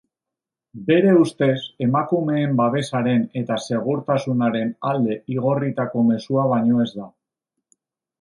Bere ustez, emakumeen babesaren eta segurtasunaren alde igorritako mezua baino ez da.